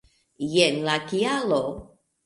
Jen la kialo.